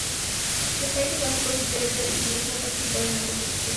Los países Bálticos y Georgia decidieron no participar en la competición.